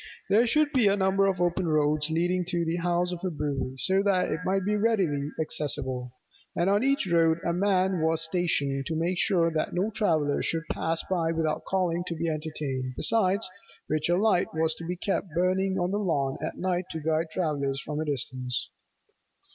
There should be a number of open roads leading to the house of a brewy, so that it might be readily accessible: and on each road a man was stationed to make sure that no traveller should pass by without calling to be entertained; besides which a light was to be kept burning on the lawn at night to guide travellers from a distance.